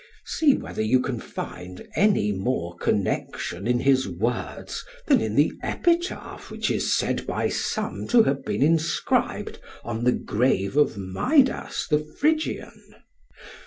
See whether you can find any more connexion in his words than in the epitaph which is said by some to have been inscribed on the grave of Midas the Phrygian.